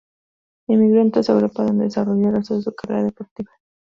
Emigró entonces a Europa donde desarrolló el resto de su carrera deportiva.